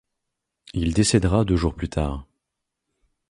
Il décèdera deux jours plus tard.